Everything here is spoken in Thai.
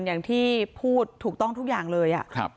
อย่างที่พูดถูกต้องทุกอย่างเลย